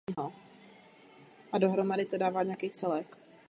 Svým zbarvením se řadí mezi nejhezčí křižáky.